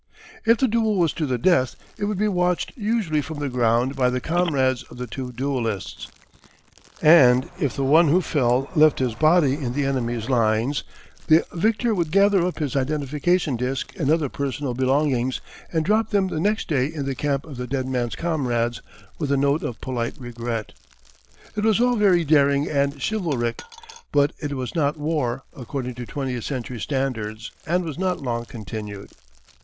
If the duel was to the death it would be watched usually from the ground by the comrades of the two duellists, and if the one who fell left his body in the enemy's lines, the victor would gather up his identification disk and other personal belongings and drop them the next day in the camp of the dead man's comrades with a note of polite regret. It was all very daring and chivalric, but it was not war according to twentieth century standards and was not long continued.